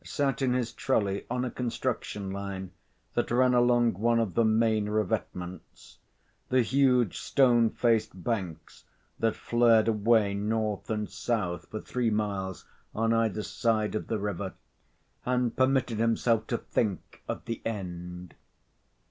sat in his trolley on a construction line that ran along one of the main revetments the huge stone faced banks that flared away north and south for three miles on either side of the river and permitted himself to think of the end.